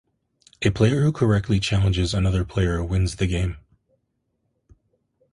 A player who correctly challenges another player wins the game.